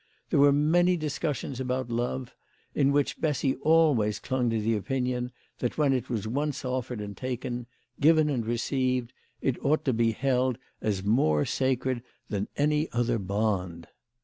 There were many discussions about love, in which Bessy always clung to the opinion that when it was once offered and taken, given and received, it ought to be held as more sacred than any other bond.